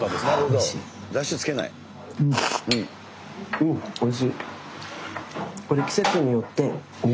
うんおいしい。